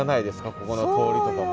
ここの通りとかも。